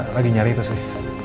lagi nyari itu sih